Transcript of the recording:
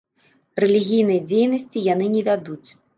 Рэлігійнай дзейнасці яны не вядуць.